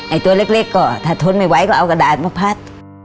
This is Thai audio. ตัวเล็กก็ถ้าทนไม่ไหวก็เอากระดาษมาพัด